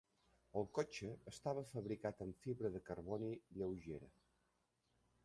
El cotxe estava fabricat amb fibra de carboni lleugera.